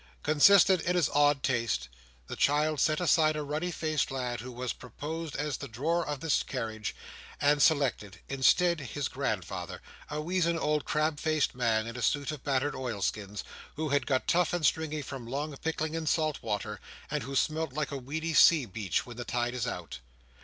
Consistent in his odd tastes, the child set aside a ruddy faced lad who was proposed as the drawer of this carriage, and selected, instead, his grandfather—a weazen, old, crab faced man, in a suit of battered oilskin, who had got tough and stringy from long pickling in salt water, and who smelt like a weedy sea beach when the tide is out.